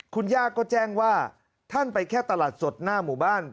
คุณย่าก็แจ้งว่าท่านไปแค่ตลาดสดหน้าหมู่บ้าน